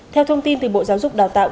theo thông tin từ bộ giáo dục đào tạo